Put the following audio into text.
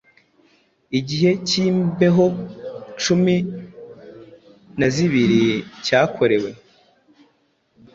Igihe cyimbeho cumi na zibiri cyakorewe